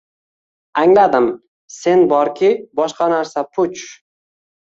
Angladim, Sen bor-ki, boshqa narsa – puch…